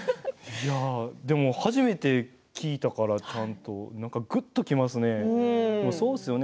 でも初めて聞いたからちゃんとなんか、ぐっときますね。